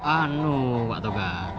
anu pak tegar